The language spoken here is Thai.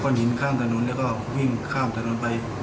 ข้อหินค่างถนนใช่ลงวิ่งข้ามถนนไป